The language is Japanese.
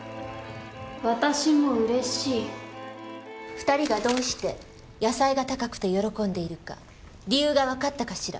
２人がどうして野菜が高くて喜んでいるか理由が分かったかしら？